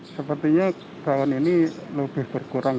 sepertinya tahun ini lebih berkurang